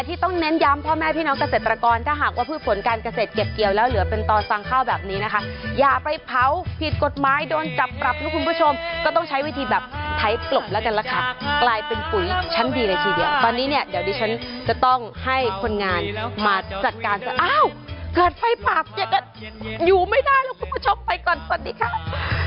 ไทท์กลมแล้วกันล่ะค่ะปลายเป็นฝุ่นฉันดีในทีเดียวตอนนี้เนี่ยเดี๋ยวดิฉันจะต้องให้คนงานมาสัดการณ์อ้าวเกิดไฟปากอยู่ไม่ได้แล้วคุณผู้ชมไปก่อนสวัสดีครับ